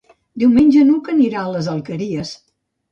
Diumenge n'Hug anirà a les Alqueries.